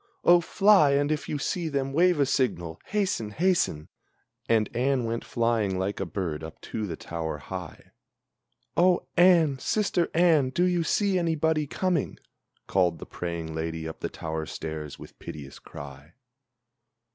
Oh, fly, and if you see them, wave a signal! Hasten! hasten!" And Anne went flying like a bird up to the tower high. "Oh, Anne, sister Anne, do you see anybody coming?" Called the praying lady up the tower stairs with piteous cry.